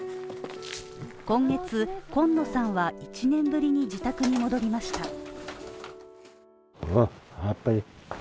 今月、今野さんは１年ぶりに自宅に戻りました。